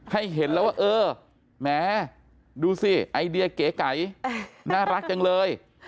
ให้เห็นแล้วว่าเออแหมดูสิไอเดียเก๋ไก่น่ารักจังเลย